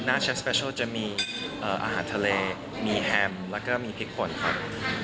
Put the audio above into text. หน้าเชฟสเปชัลจะมีอาหารทะเลมีแฮมแล้วก็มีพริกป่นครับ